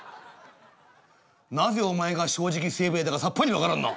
なぜお前が正直清兵衛だかさっばり分からんなあ」。